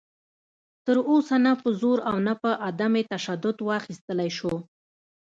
تر اوسه نه په زور او نه په عدم تشدد واخیستلی شو